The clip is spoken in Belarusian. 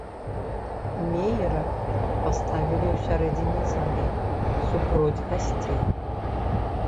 Меера паставілі ў сярэдзіне залі супроць гасцей.